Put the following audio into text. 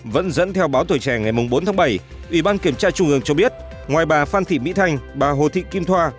vẫn dẫn theo báo tuổi trẻ ngày bốn tháng bảy ủy ban kiểm tra trung ương cho biết ngoài bà phan thị mỹ thanh bà hồ thị kim thoa